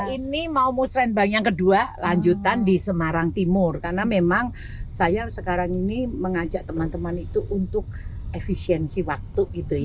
ini mau musrembang yang kedua lanjutan di semarang timur karena memang saya sekarang ini mengajak teman teman itu untuk efisiensi waktu